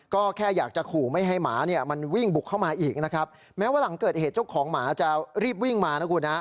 ก็แค่อยากจะขู่ไม่ให้หมาเนี่ยมันวิ่งบุกเข้ามาอีกนะครับแม้ว่าหลังเกิดเหตุเจ้าของหมาจะรีบวิ่งมานะคุณฮะ